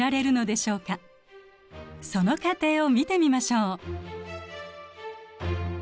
その過程を見てみましょう。